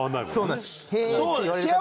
そうなんです。